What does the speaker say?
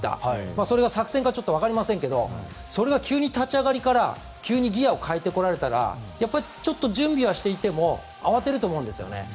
それは作戦か分かりませんがそれが急に立ち上がりからギアを変えてこられたらやっぱり、ちょっと準備はしていても慌てると思うんですね。